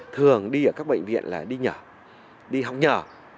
thường đi ở các bệnh viện là đi nhở đi học nhở